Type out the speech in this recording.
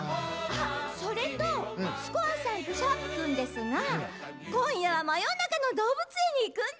それとスコアさんとシャープ君ですが今夜は「真夜中の動物園」に行くんですって。